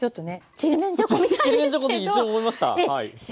ちりめんじゃこと一瞬思いましたはい。